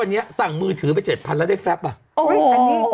วันนี้สั่งมือถือไป๗๐๐แล้วได้แฟป่ะ